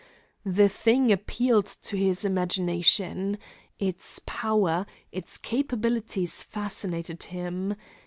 The thing appealed to his imagination. Its power, its capabilities fascinated him.